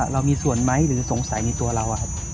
เรามีส่วนไหมหรือสงสัยในตัวเรา